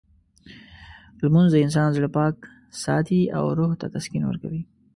لمونځ د انسان زړه پاک ساتي او روح ته تسکین ورکوي.